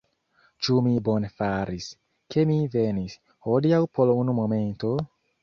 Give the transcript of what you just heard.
Ĉu mi bone faris, ke mi venis, hodiaŭ por unu momento?